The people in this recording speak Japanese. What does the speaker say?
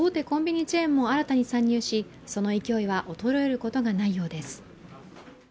コンビニチェーンも新たに参入し、その勢いは衰えることがないようです。